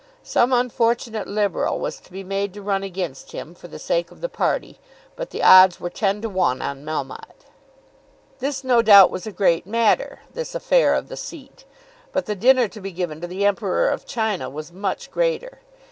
Some unfortunate Liberal was to be made to run against him, for the sake of the party; but the odds were ten to one on Melmotte. This no doubt was a great matter, this affair of the seat; but the dinner to be given to the Emperor of China was much greater.